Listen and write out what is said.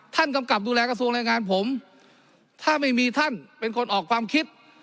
กำกับดูแลกระทรวงแรงงานผมถ้าไม่มีท่านเป็นคนออกความคิด